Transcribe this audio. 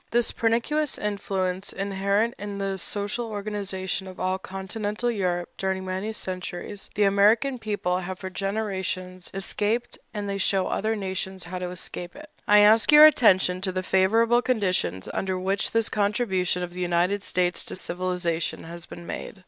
This pernicious influence, inherent in the social organization of all Continental Europe during many centuries, the American people have for generations escaped, and they show other nations how to escape it. I ask your attention to the favorable conditions under which this contribution of the United States to civilization has been made.